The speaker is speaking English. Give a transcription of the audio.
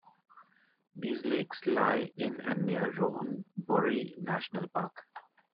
These lakes lie in and near Rohkunborri National Park.